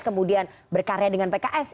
kemudian berkarya dengan pks